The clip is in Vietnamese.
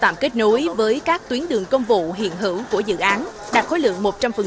tạm kết nối với các tuyến đường công vụ hiện hữu của dự án đạt khối lượng một trăm linh